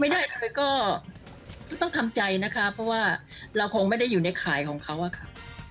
ก็ต้องทำใจนะคะเพราะว่าเราคงไม่ได้อยู่ในข่ายของเขาอะค่ะ